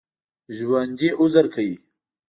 ژوندي عذر کوي